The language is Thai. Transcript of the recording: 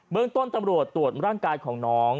เมืองต้นตำรวจตรวจร่างกายของน้อง